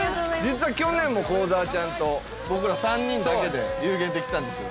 実は去年も幸澤ちゃんと僕ら３人だけで游玄亭来たんですよ